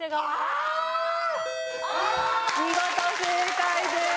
見事正解です。